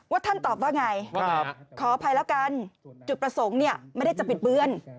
ท่านตอบว่าไงขออภัยแล้วกันจุดประสงค์ไม่ได้จะบิดเบือน